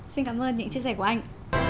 xin cảm ơn những chia sẻ của anh